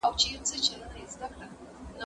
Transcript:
په قراني قصو کي د الله تعالی د عدل بيان دی.